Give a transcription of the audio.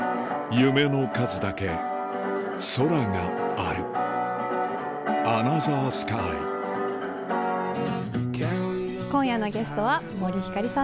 夢の数だけ空がある今夜のゲストは森星さんです。